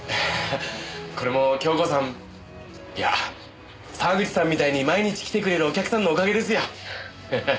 ハハハこれも京子さんいや沢口さんみたいに毎日来てくれるお客さんのおかげですよ。